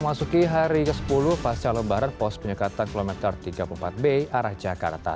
masuki hari ke sepuluh pas calon barat pos penyekatan kilometer tiga puluh empat b arah jakarta